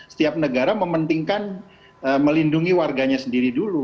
setiap negara mementingkan melindungi warganya sendiri dulu